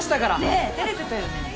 ねぇてれてたよね。